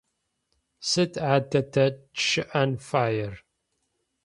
Сыд адэ тэ тшӏэн фаер?